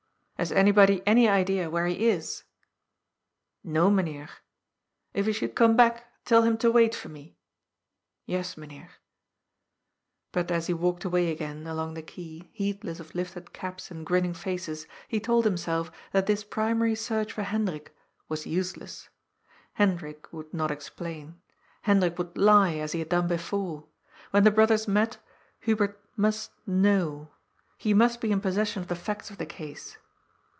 Has anybody any idea where he is ?"" No, Mynheer." " If he should come back, tell him to wait for me." " Yes, Mynheer." But as he walked away again, along the quay, heedless of lifted caps and grinning faces, he told himself that this primary search for Hendrik was useless. Hendrik would * not explain. Hendrik would lie, as he had done before. When the brothers met, Hubert must kno^v. He must be in possession of the facts of the case.